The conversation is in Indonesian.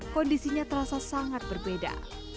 kondisinya terasa sangat berbeda